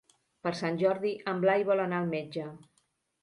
Per Sant Jordi en Blai vol anar al metge.